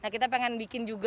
kita pengen bikin juga